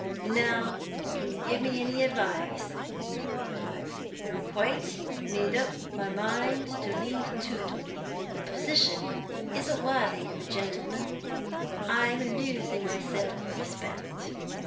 Now, can you give me any advice? I've quite made up my mind to leave Tootle. The position isn't worthy of a gentleman; I'm losing my self respect.